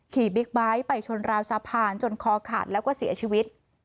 บิ๊กไบท์ไปชนราวสะพานจนคอขาดแล้วก็เสียชีวิต